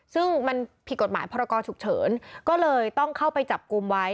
ซึ่งมันผิดกฎหมายพรกรฉุกเฉินก็เลยต้องเข้าไปจับกลุ่มไว้